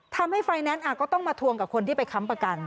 ทำให้ไฟแนนซ์ก็ต้องมาทวงกับคนที่ไปค้ำประกัน